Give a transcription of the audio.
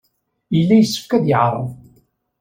Yella yessefk ad yeɛreḍ.